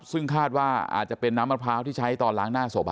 ซึ่งคาดว่าอาจจะเป็นน้ำมะพร้าวที่ใช้ตอนล้างหน้าศพ